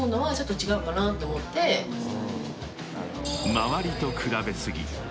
［周りと比べ過ぎ］